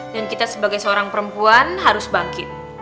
dan kita sebagai seorang perempuan harus bangkit